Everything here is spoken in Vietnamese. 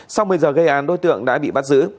sau một mươi giờ gây án đối tượng đã bị bắt giữ